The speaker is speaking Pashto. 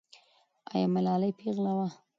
آیا ملالۍ پېغله وه؟